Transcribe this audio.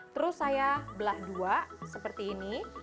terus saya belah dua seperti ini